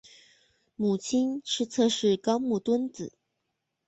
母亲是侧室高木敦子。